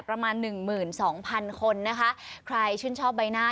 ประมาณหนึ่งหมื่นสองพันคนนะคะใครชื่นชอบใบหน้า